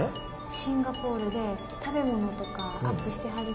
シンガポールで食べ物とかアップしてはりますえ。